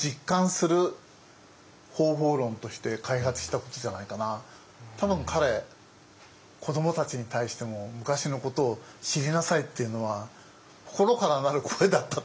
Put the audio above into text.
これはやっぱり多分彼子どもたちに対しても昔のことを知りなさいっていうのは心からなる声だったと思いますよ。